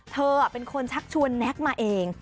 เธอเป็นคนชักชวนแน็กมาเอง